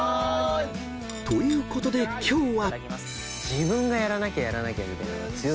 ［ということで今日は］